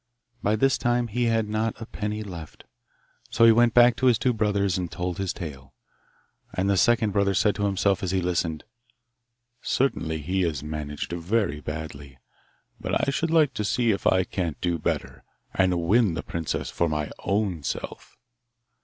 By this time he had not a penny left, so he went back to his two brothers and told his tale. And the second brother said to himself as he listened, 'Certainly he has managed very badly, but I should like to see if I can't do better, and win the princess for my own self.